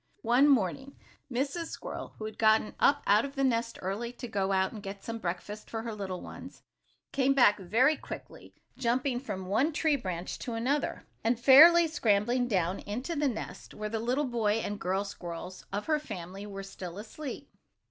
One morning Mrs. Squirrel, who had gotten up out of the nest early, to go out and get some breakfast for her little ones, came back very quickly, jumping from one tree branch to another, and fairly scrambling down into the nest where the little boy and girl squirrels of her family were still asleep.